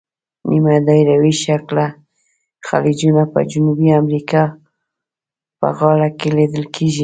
نیمه دایروي شکله خلیجونه په جنوبي امریکا په غاړو کې لیدل کیږي.